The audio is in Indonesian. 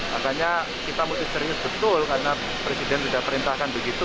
makanya kita mesti serius betul karena presiden sudah perintahkan begitu